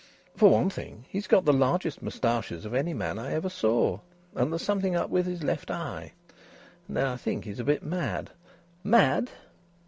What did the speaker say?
"For one thing, he's got the largest moustaches of any man I ever saw. And there's something up with his left eye. And then I think he's a bit mad." "Mad?"